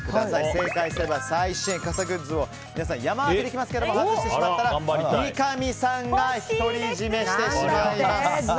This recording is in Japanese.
正解すれば最新傘グッズを皆さん山分けできますが外してしまったら三上さんが独り占めしてしまいます。